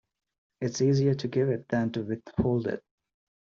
It's easier to give it than to withhold it.